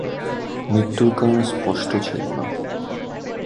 মৃত্যুর কারণ স্পষ্ট ছিল না।